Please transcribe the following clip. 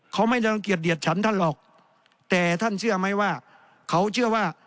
เขาไม่รังเกียจเดียดฉันท่านหรอกแต่ท่านเชื่อไหมว่าเขาเชื่อว่า